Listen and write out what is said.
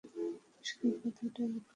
শুধু কথাটা মুখে বলো।